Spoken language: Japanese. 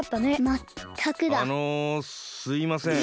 あのすいません。